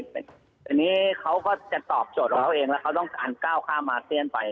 อันนี้เขาก็จะตอบโจทย์ของเขาเองแล้วเขาต้องการก้าวข้ามอาเซียนไป